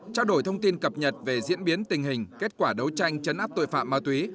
trao đổi thông tin cập nhật về diễn biến tình hình kết quả đấu tranh chấn áp tội phạm ma túy